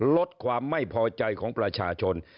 ลดความไม่พอใจของประชาชน